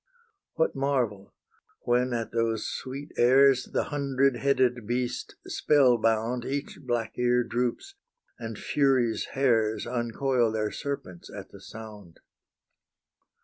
What marvel, when at those sweet airs The hundred headed beast spell bound Each black ear droops, and Furies' hairs Uncoil their serpents at the sound?